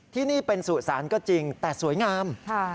ที่นี่เป็นสุสานก็จริงแต่สวยงาม